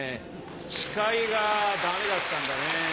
シカイがダメだったんだね。